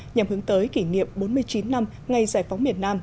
nhằm hướng tới kỷ niệm bốn mươi chín năm ngày giải phóng miền nam